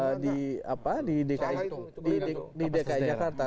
salah itu itu boleh lah tuh apa sesederhana